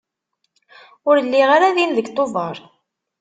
Ur lliɣ ara din seg Tubeṛ.